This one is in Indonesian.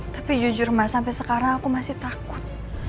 tapi jujur mas sampai sekarang aku masih takut